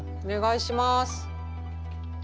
お願いします。